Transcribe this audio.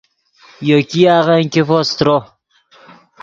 یو ګیاغن ګیفو سترو